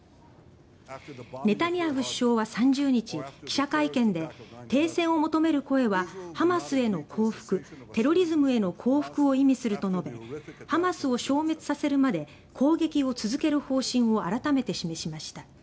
ネタニヤフ首相は３０日記者会見で停戦を求める声はハマスへの降伏テロリズムへの降伏を意味すると述べハマスを消滅させるまで攻撃を続ける方針を改めて示しました。